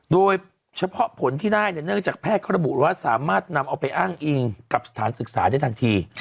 โดยเฉพาะผลที่ได้เนี่ยเนื่องจากแพทย์เขาระบุว่าสามารถนำเอาไปอ้างอิงกับสถานศึกษาได้ทันที